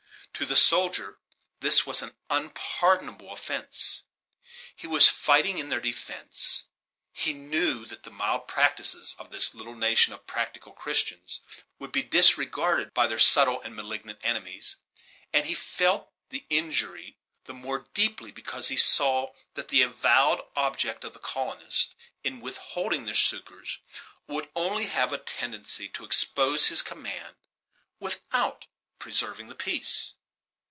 To the soldier, this was an unpardonable offence. He was fighting in their defense he knew that the mild principles of this little nation of practical Christians would be disregarded by their subtle and malignant enemies; and he felt the in jury the more deeply because he saw that the avowed object of the colonists, in withholding their succors, would only have a tendency to expose his command, without preserving the peace.